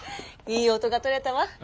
いい音がとれたわ。